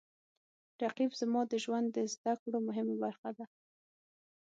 رقیب زما د ژوند د زده کړو مهمه برخه ده